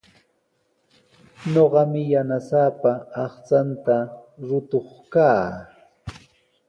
Ñuqami yanasaapa aqchanta rukuq kaa.